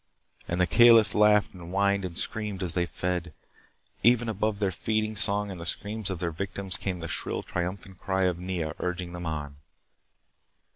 And the Kalis laughed and whined and screamed as they fed. Even above their feeding song and the screams of their victims came the shrill, triumphant cry of Nea urging them on.